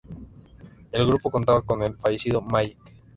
El grupo contaba con el fallecido Magic.